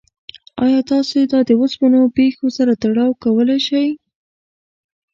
ایا تاسو دا د اوسنیو پیښو سره تړاو کولی شئ؟